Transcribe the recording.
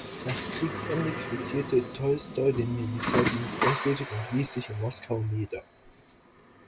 Nach Kriegsende quittierte Tolstoi den Militärdienst endgültig und ließ sich in Moskau nieder.